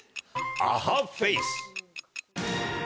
アハフェイス。